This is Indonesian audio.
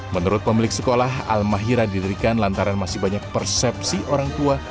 menurut pemilik sekolah almahira didirikan lantaran masih banyak persepsi orang tua